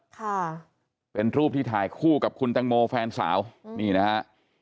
ค่ะเป็นรูปที่ถ่ายคู่กับคุณตังโมแฟนสาวนี่นะฮะ